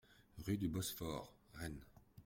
Rue du Bosphore, Rennes